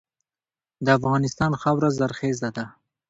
د افغانستان خاوره زرخیزه ده.